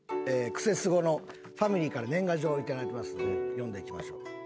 『クセスゴ』のファミリーから年賀状を頂きますんで読んでいきましょう。